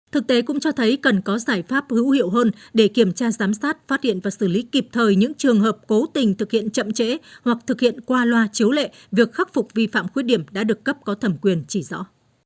thực tế cũng cho thấy cần có giải pháp hữu hiệu hơn để kiểm tra giám sát phát hiện và xử lý kịp thời những trường hợp cố tình thực hiện chậm trễ hoặc thực hiện qua loa chiếu lệ việc khắc phục vi phạm khuyết điểm đã được cấp có thẩm quyền chỉ rõ